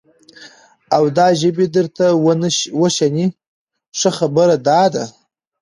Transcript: او دا ژبې درته وشني، ښه خبره دا ده،